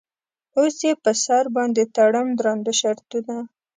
اوس یې په سر باندې تړم درانده شرطونه.